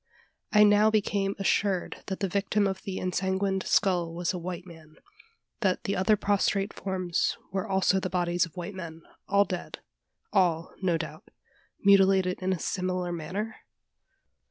I now became assured that the victim of the ensanguined skull was a white man; that the other prostrate forms were also the bodies of white men, all dead all, no doubt, mutilated in a similar manner?